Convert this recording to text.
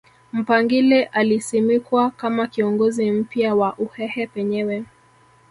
Mpangile alisimikwa kama kiongozi mpya wa Uhehe penyewe